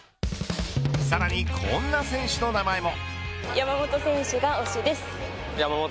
さらに、こんな選手の名前も。